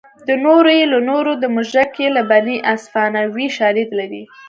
د نورو یې له نورو د موږک یې له بنۍ افسانوي شالید لري